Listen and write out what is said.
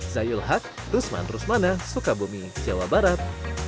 zayul haq rusman rusmana sukabumi jawa barat